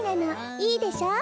いいでしょ？